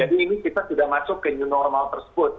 jadi kita sudah masuk ke new normal tersebut